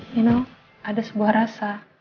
you know ada sebuah rasa